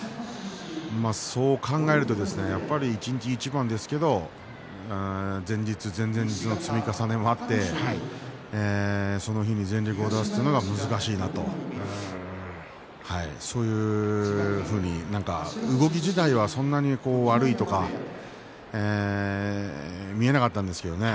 そう考えるとやはり一日一番ですけれども前日、前々日の積み重ねもあってその日に全力を出すというのは難しいなとそういうふうに動き自体は、そんなに悪いとか見えなかったんですよね。